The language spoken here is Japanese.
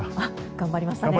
頑張りましたね。